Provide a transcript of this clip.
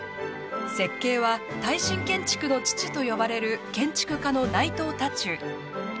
設計は、耐震建築の父と呼ばれる建築家の内藤多仲。